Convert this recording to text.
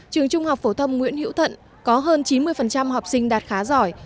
trường trung học phổ thông nguyễn hữu thuận có hơn chín mươi học sinh đạt khá giỏi